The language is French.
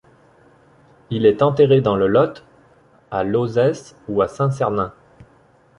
Il est enterré dans le Lot, à Lauzès ou à Saint-Cernin.